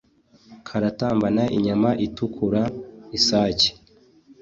Karatambana inyama itukura.-Isake.